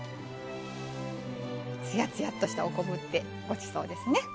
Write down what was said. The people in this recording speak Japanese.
つやつやとしたお昆布ってごちそうですね。